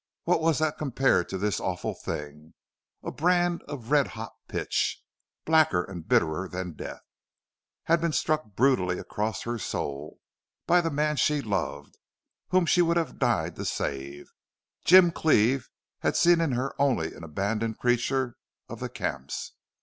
What was that compared to this awful thing? A brand of red hot pitch, blacker and bitterer than death, had been struck brutally across her soul. By the man she loved whom she would have died to save! Jim Cleve had seen in her only an abandoned creature of the camps.